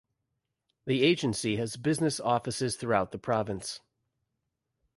The agency has business offices throughout the province.